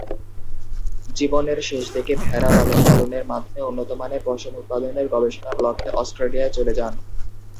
জীবনের শেষদিকে ভেড়া লালন-পালনের মাধ্যমে উন্নতমানের পশম উৎপাদনের গবেষণার লক্ষ্যে অস্ট্রেলিয়ায় চলে যান।